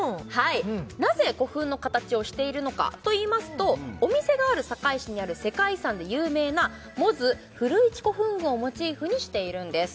なぜ古墳の形をしているのかといいますとお店がある堺市にある世界遺産で有名な百舌鳥・古市古墳群をモチーフにしているんです